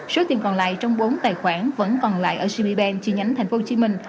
số tiền còn lại trong bốn tài khoản vẫn còn lại ở gbben chi nhánh tp hcm